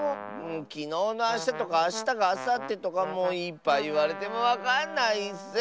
きのうのあしたとかあしたがあさってとかもういっぱいいわれてもわかんないッス！